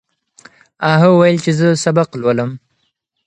هغه وویل چې زه سبق لولم.